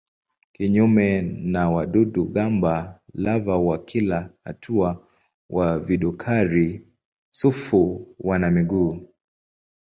Kinyume na wadudu-gamba lava wa kila hatua wa vidukari-sufu wana miguu.